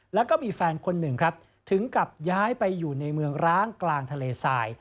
แล้วก็มีแฟนคนหนึ่งครับถึงกับย้ายไปอยู่ในเมืองร้างกลางทะเลทราย